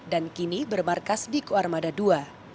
dan kini bermarkas di kuarmada ii